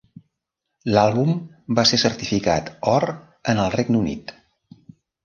L'àlbum va ser certificat or en el Regne Unit.